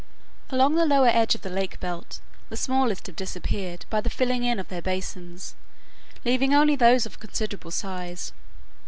Along the lower edge of the lake belt, the smallest have disappeared by the filling in of their basins, leaving only those of considerable size.